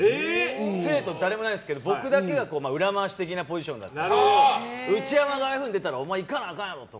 生徒誰もいないですけど僕だけが裏回し的なポジションだったので内山がああいうふうに出たらお前いかないかんやろって。